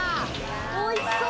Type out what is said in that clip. おいしそう。